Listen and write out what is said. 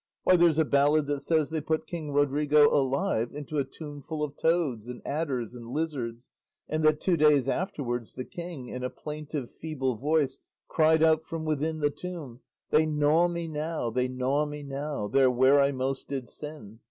"Why, there's a ballad that says they put King Rodrigo alive into a tomb full of toads, and adders, and lizards, and that two days afterwards the king, in a plaintive, feeble voice, cried out from within the tomb They gnaw me now, they gnaw me now, There where I most did sin.